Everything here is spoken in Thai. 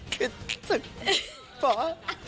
คิดสักฟ้า